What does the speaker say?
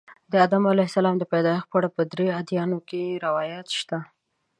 د آدم علیه السلام د پیدایښت په اړه په درې ادیانو کې روایات شته.